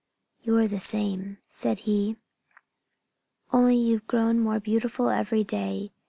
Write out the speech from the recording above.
"You're the same," said he. "Only you've grown more beautiful every day.